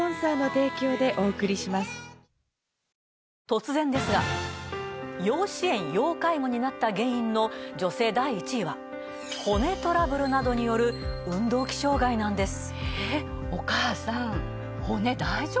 突然ですが要支援・要介護になった原因の女性第１位は骨トラブルなどによる運動器障害なんです。